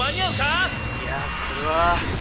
いやこれは。